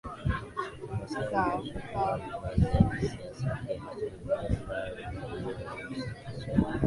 Wamasai wanaanza kuvaa mavazi za kisasa piaDesturi moja ambayo inabadilika ni arusi Wasichana